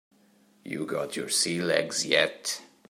You got your sea legs yet?